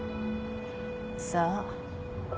さあ。